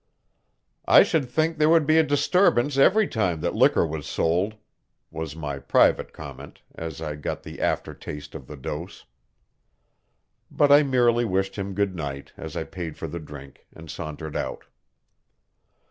"I should think there would be a disturbance every time that liquor was sold," was my private comment, as I got the aftertaste of the dose. But I merely wished him good night as I paid for the drink, and sauntered out.